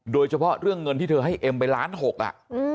โดยเฉพาะเรื่องเงินที่เธอให้เอ็มไปล้านหกอ่ะ